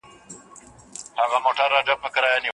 ملتونه به په ګډه همکاري کوي.